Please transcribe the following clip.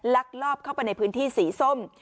ลักลอบเข้าไปในพื้นที่สีส้ม